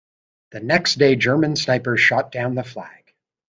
The next day German snipers shot down the flag.